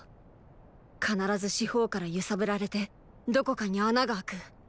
必ず四方から揺さぶられてどこかに穴が開く。